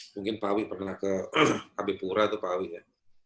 mungkin pak wi pernah ke habib pura itu pak wi ya